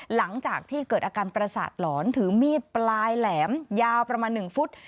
หลังจากที่เกิดอาการประสาทหลอนถือมีดปลายแหลมยาวประมาณ๑ฟุต